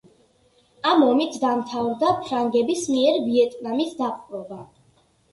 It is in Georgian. ამ ომით დამთავრდა ფრანგების მიერ ვიეტნამის დაპყრობა.